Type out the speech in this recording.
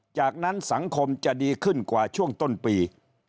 จากนั้นสังคมจะดีขึ้นกว่าช่วงต้นปี